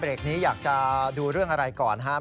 เด็กนี้อยากจะดูเรื่องอะไรก่อนนะครับ